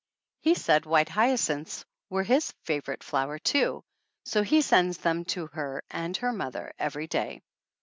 He said white hyacinths were his favorite flower, too, so he sends them to her and her mother every day.